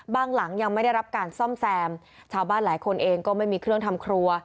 หลังยังไม่ได้รับการซ่อมแซมชาวบ้านหลายคนเองก็ไม่มีเครื่องทำครัว